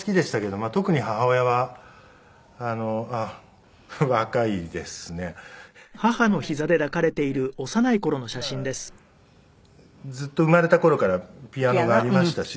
まあずっと生まれた頃からピアノがありましたし。